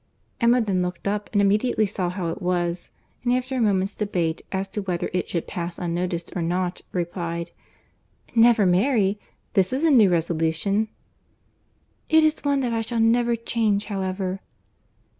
Emma then looked up, and immediately saw how it was; and after a moment's debate, as to whether it should pass unnoticed or not, replied, "Never marry!—This is a new resolution." "It is one that I shall never change, however."